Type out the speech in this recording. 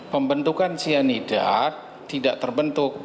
pembentukan sianida tidak terbentuk